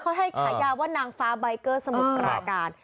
เขาให้ฉายาว่านางฟ้าใบเกอร์สมุทรปราการ